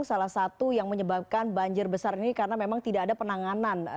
salah satu yang menyebabkan banjir besar ini karena memang tidak ada penanganan